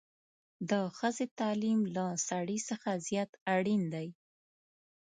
د ښځې تعليم له سړي څخه زيات اړين دی